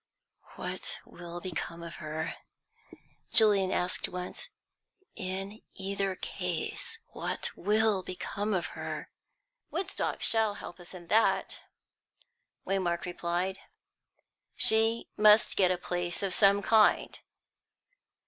"What will become of her!" Julian asked once. "In either case what will become of her!" "Woodstock shall help us in that," Waymark replied. "She must get a place of some kind."